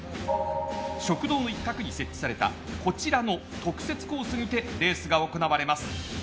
食堂の一角に設置されたこちらの特設コースにてレースが行われます。